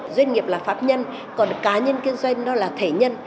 doanh nghiệp là pháp nhân còn cá nhân kinh doanh đó là thể nhân